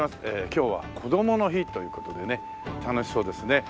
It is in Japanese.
今日はこどもの日という事でね楽しそうですね。